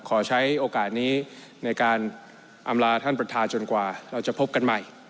ขอใช้โอกาสนี้ในการอำลาท่านประธานจนกว่าเราจะพบกันใหม่